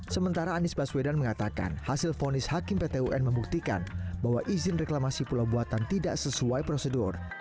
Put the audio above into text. sementara anies baswedan mengatakan hasil fonis hakim pt un membuktikan bahwa izin reklamasi pulau buatan tidak sesuai prosedur